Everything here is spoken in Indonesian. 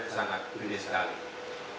sangat gede sekali